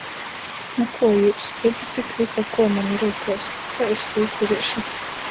Nu kuo jius!? Redzit cik vysa kuo maņ rūkuos. Kai es tū izdareišu.